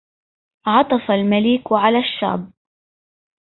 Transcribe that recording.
عطف المليك على الشعب